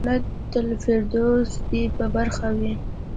جنت الفردوس دې په برخه وي.